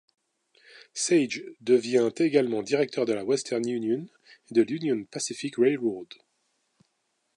Sage devient également directeur de la Western Union et de l'Union Pacific Railroad.